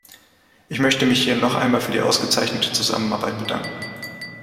Ich möchte mich hier noch einmal für die ausgezeichnete Zusammenarbeit bedanken.